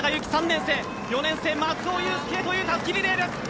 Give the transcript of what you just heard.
４年生、松尾侑介へというたすきリレーです。